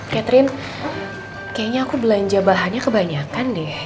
catherine kayaknya aku belanja bahannya kebanyakan deh